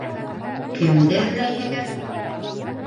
-Кемде эҙләйһегеҙ?